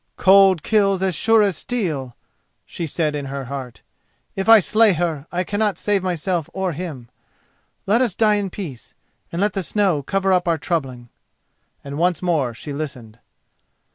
"Cold kills as sure as steel," she said in her heart. "If I slay her I cannot save myself or him. Let us die in peace, and let the snow cover up our troubling." And once more she listened.